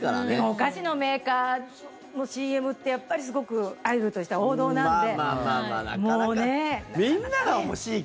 お菓子のメーカーのＣＭってやっぱり、すごくアイドルとしては王道なので。